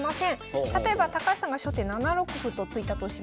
例えば高橋さんが初手７六歩と突いたとします。